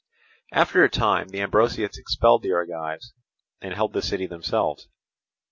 After a time the Ambraciots expelled the Argives and held the city themselves.